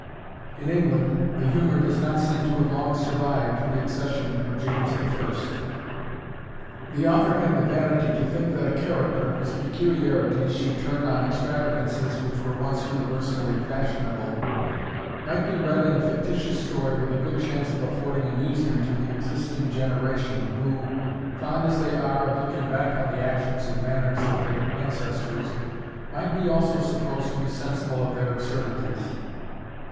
In England, the humour does not seem to have long survived the accession of James I. The author had the vanity to think that a character, whose peculiarities should turn on extravagances which were once universally fashionable, might be read in a fictitious story with a good chance of affording amusement to the existing generation, who, fond as they are of looking back on the actions and manners of their ancestors, might be also supposed to be sensible of their absurdities.